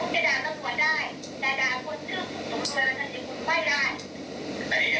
เพราะฉะนั้นคุณจะบอกว่าคุณไม่เกี่ยวไม่ได้